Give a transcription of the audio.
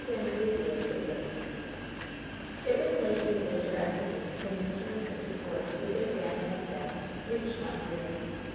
ANGLESEA'S VISIT It was late in the winter afternoon when Mr. and Mrs. Force, with their family and guest, reached Mondreer.